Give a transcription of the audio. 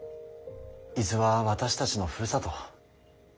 伊豆は私たちのふるさと。